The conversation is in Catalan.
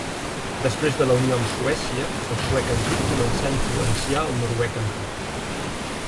Després de la unió amb Suècia, el suec antic començà a influenciar el noruec antic.